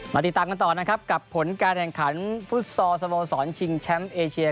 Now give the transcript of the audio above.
ติดตามกันต่อนะครับกับผลการแข่งขันฟุตซอลสโมสรชิงแชมป์เอเชีย